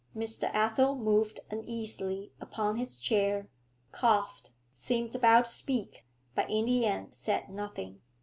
Mr. Athel moved uneasily upon his chair, coughed, seemed about to speak, but in the end said nothing.